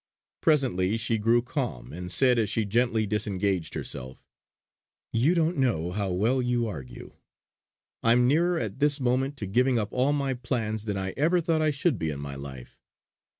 Presently she grew calm, and said as she gently disengaged herself: "You don't know how well you argue. I'm nearer at this moment to giving up all my plans, than I ever thought I should be in my life.